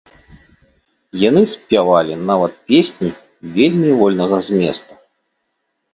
Яны спявалі нават песні вельмі вольнага зместу.